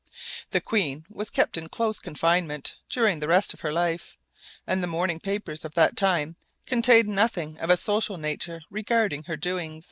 The queen was kept in close confinement during the rest of her life, and the morning papers of that time contained nothing of a social nature regarding her doings.